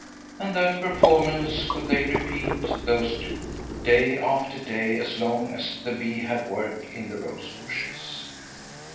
And that performance could they repeat, those two, day after day as long as the bee had work in the rose bushes.